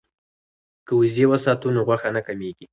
که وزې وساتو نو غوښه نه کمیږي.